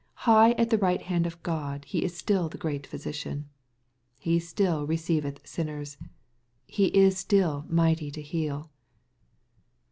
High at the right hand of God He is still the great Physician. He still ^^ receiveth sinners.'' He is still mighty to heal.